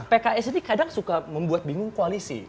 pks ini kadang suka membuat bingung koalisi